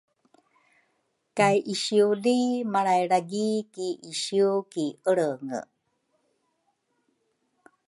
kay isiuli malrailargi ki isiu ki Elrenge.